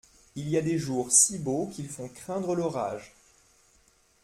Il y a des jours si beaux qu'ils font craindre l'orage.